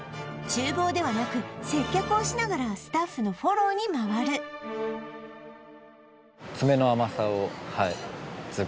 厨房ではなく接客をしながらスタッフのフォローに回るまあ